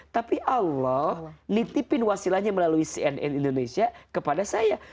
tapi allah nitipin wasilahnya melalui cnn indonesia kepada saya